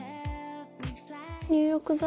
入浴剤？